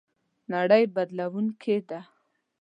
نړۍ بدلېدونکې ده